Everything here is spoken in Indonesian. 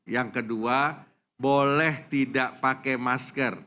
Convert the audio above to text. yang kedua boleh tidak pakai masker